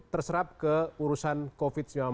terserap ke urusan covid sembilan belas